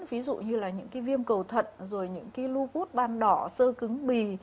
ví dụ như là những viêm cầu thận lupus ban đỏ sơ cứng bì